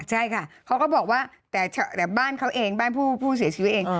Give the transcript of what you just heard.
ใช่ค่ะเขาก็บอกว่าแต่บ้านเขาเองบ้านผู้เสียชีวิตเอง